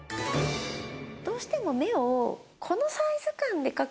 どうしても。